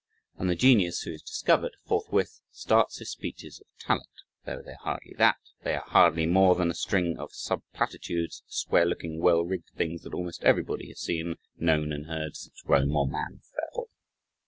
And the genius who is discovered, forthwith starts his speeches of "talent" though they are hardly that they are hardly more than a string of subplatitudes, square looking, well rigged things that almost everybody has seen, known, and heard since Rome or man fell.